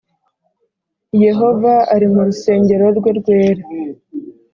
yehova ari mu rusengero rwe rwera